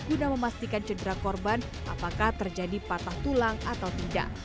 untuk memastikan cedera korban apakah terjadi patah tulang atau tidak